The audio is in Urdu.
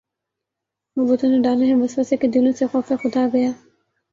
وہ بتوں نے ڈالے ہیں وسوسے کہ دلوں سے خوف خدا گیا